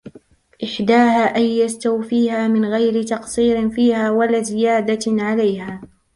إحْدَاهَا أَنْ يَسْتَوْفِيَهَا مِنْ غَيْرِ تَقْصِيرٍ فِيهَا وَلَا زِيَادَةٍ عَلَيْهَا